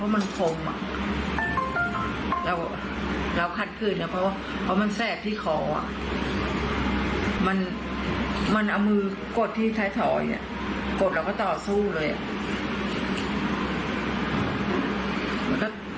ร้านข้างหน้าม้านแหละ